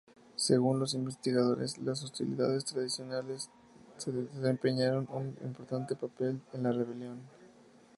Según los investigadores, las hostilidades tradicionales desempeñaron un importante papel en la rebelión.